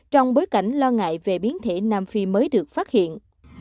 trong bối cảnh lo ngại về biến thể nam phi mới được phát hiện